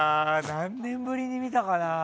何年ぶりに見たかな。